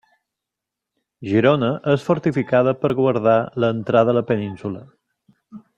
Girona és fortificada per guardar l'entrada a la península.